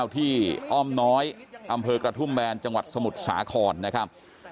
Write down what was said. ที่อ้อมน้อยอำเภอกระทุ่มแบนจังหวัดสมุทรสาครนะครับ